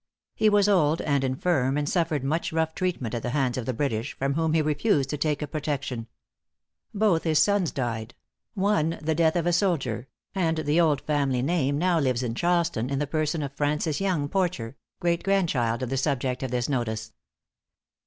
He was old and infirm, and suffered much rough treatment at the hands of the British, from whom he refused to take a protection. Both his sons died one the death of a soldier; and the old family name now lives in Charleston in the person of Francis Yonge Porcher, great grandchild of the subject of this notice.